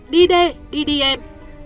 đi đi đi đi em